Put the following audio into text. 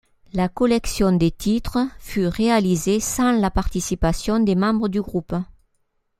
La collection des titres fut réalisée sans la participation des membres du groupe.